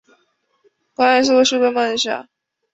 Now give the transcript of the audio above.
观音寺过去的规模很小。